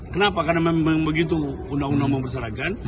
kenapa karena memang begitu undang undang mempersalahkan